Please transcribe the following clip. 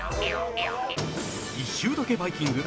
一周だけバイキング！！